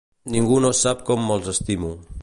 Ningú no sap com me'ls estimo.